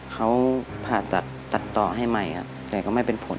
เขาผ่าตัดต่อให้ใหม่แต่ก็ไม่เป็นผล